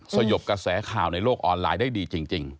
สยบกระแสข่าวในโลกออนไลน์ได้ดีจริง